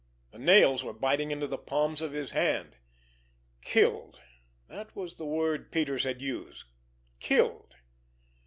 The nails were biting into the palms of his hands. "Killed" that was the word Peters had used—"killed."